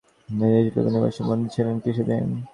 তিনি হিজলি বন্দি নিবাসেও বন্দি ছিলেন কিছুদিন।